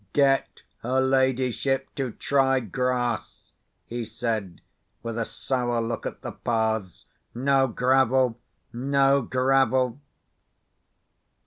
"Get her ladyship to try grass," he said, with a sour look at the paths. "No gravel! no gravel!"